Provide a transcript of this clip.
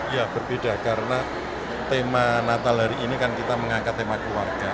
ya berbeda karena tema natal hari ini kan kita mengangkat tema keluarga